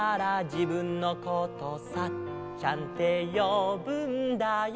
「じぶんのことサッちゃんてよぶんだよ」